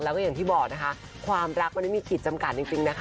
แล้วก็อย่างที่บอกนะคะความรักมันไม่มีขีดจำกัดจริงนะคะ